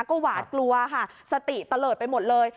ก็หวาดกลัวค่ะสติตะเลิศไปหมดเลย